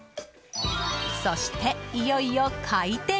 そして、いよいよ開店。